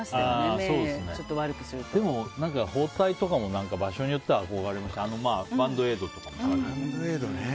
でも包帯とかも場所によっては憧れましたね、バンドエイドとか。